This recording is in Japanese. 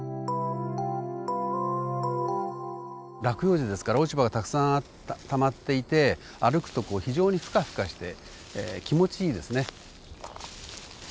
落葉樹ですから落ち葉がたくさんたまっていて歩くとこう非常にフカフカして気持ちいいですね。